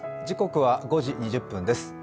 時刻は５時２０分です。